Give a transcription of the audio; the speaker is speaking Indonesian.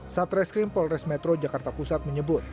satres krim polres metro jakarta pusat menyebut